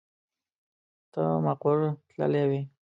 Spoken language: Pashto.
ته مقر تللی وې.